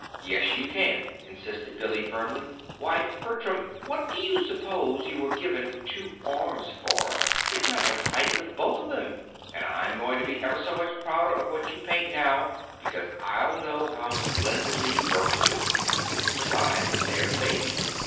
"Yes, you can," insisted Billy, firmly. "Why, Bertram, what do you suppose you were given two arms for if not to fight with both of them? And I'm going to be ever so much prouder of what you paint now, because I'll know how splendidly you worked to do it. Besides, there's Baby.